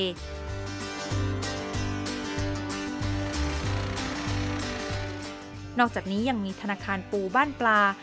ผักและหวานแล้วติดนอกจากนี้ยังมีธนคารปูบ้านปลา